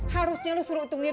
harusnya lu suruh utung dia